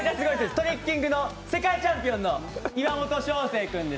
トリッキングの世界チャンピオンの岩本将成君です。